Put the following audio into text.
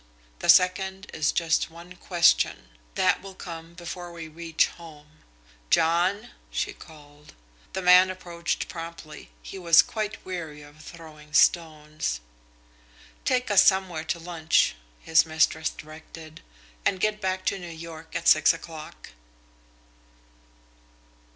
The second is just one question. That will come before we reach home...John!" she called. The man approached promptly he was quite weary of throwing stones. "Take us somewhere to lunch," his mistress directed, "and get back to New York at six o'clock."